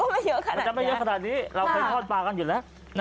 มันจะไม่เยอะขนาดนี้เราเคยทอดปลากันอยู่แล้ว